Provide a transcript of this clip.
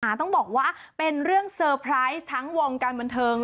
ต้องบอกว่าเป็นเรื่องเซอร์ไพรส์ทั้งวงการบันเทิง